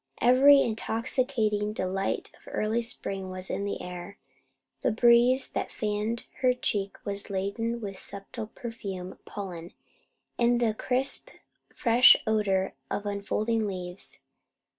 Every intoxicating delight of early spring was in the air. The breeze that fanned her cheek was laden with subtle perfume of pollen and the crisp fresh odour of unfolding leaves.